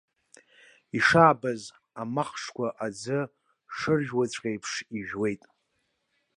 Ишабаз амахҽқәа аӡы шыржәуаҵәҟьа еиԥш ижәуеит!